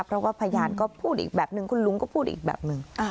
เพราะว่าพยานก็พูดอีกแบบนึงคุณลุงก็พูดอีกแบบหนึ่ง